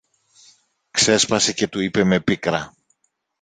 ξέσπασε και του είπε με πίκρα.